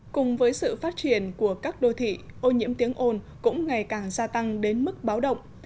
cùng với sự phát triển của các đô thị ô nhiễm tiếng ồn cũng ngày càng gia tăng đến mức báo động